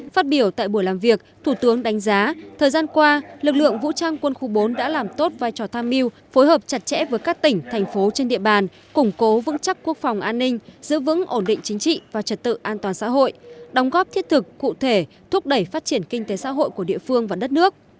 phát biểu tại buổi làm việc thủ tướng đánh giá thời gian qua lực lượng vũ trang quân khu bốn đã làm tốt vai trò tham mưu phối hợp chặt chẽ với các tỉnh thành phố trên địa bàn củng cố vững chắc quốc phòng an ninh giữ vững ổn định chính trị và trật tự an toàn xã hội đóng góp thiết thực cụ thể thúc đẩy phát triển kinh tế xã hội của địa phương và đất nước